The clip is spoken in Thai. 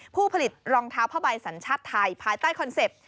ผู้ผลิตรองเท้าผ้าใบสัญชาติไทยภายใต้คอนเซ็ปต์